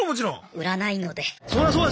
売らないので。